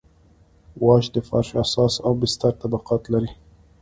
واش د فرش اساس او بستر طبقات لري